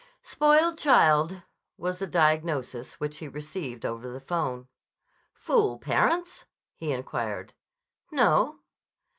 "Spoiled child," was the diagnosis which he received over the'phone. "Fool parents?" he inquired. "No."